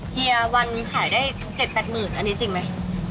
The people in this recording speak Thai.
เฮียวันขายได้๗๘๐๐๐อันนี้จริงไหม